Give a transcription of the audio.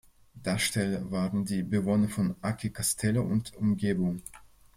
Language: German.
Darsteller waren die Bewohner von Aci Castello und Umgebung.